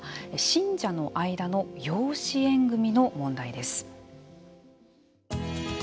信者の間の養子縁組の問題です。